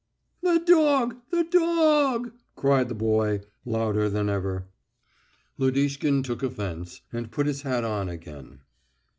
"The dog! The do og!" cried the boy, louder than ever. Lodishkin took offence, and put his hat on again.